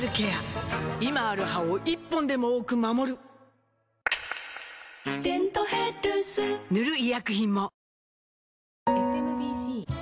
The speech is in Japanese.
今ある歯を１本でも多く守る「デントヘルス」塗る医薬品も